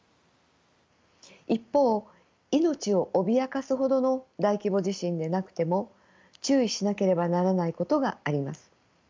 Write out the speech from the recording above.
一方命を脅かすほどの大規模地震でなくても注意しなければならないことがあります。